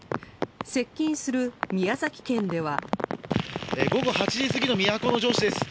接近する宮崎県では。